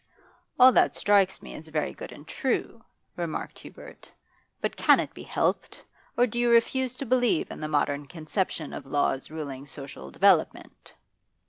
'All that strikes me as very good and true,' remarked Hubert; 'but can it be helped? Or do you refuse to believe in the modern conception of laws ruling social development?